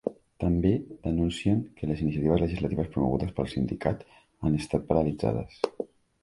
També denuncien que les iniciatives legislatives promogudes pel sindicat han estat paralitzades.